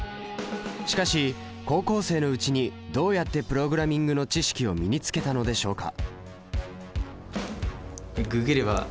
しかし高校生のうちにどうやってプログラミングの知識を身につけたのでしょうか？